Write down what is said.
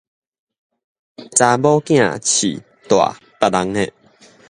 查某囝飼大別人个